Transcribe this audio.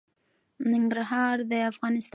ننګرهار د افغانستان د کلتوري میراث برخه ده.